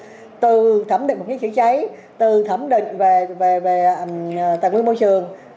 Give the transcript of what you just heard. toàn bộ từ đầu từ thẩm định mục đích chữa cháy từ thẩm định về tài nguyên môi trường